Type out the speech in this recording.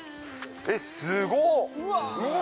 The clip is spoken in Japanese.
えっ、すごっ！